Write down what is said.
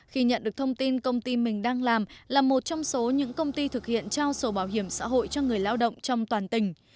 khi nhận được thông tin công ty mình đang làm là một trong số những công ty thực hiện trao sổ bảo hiểm xã hội cho người lao động trong toàn tỉnh